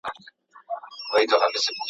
هلک د انا د لمانځه په چادر پورې ځان وځړاوه.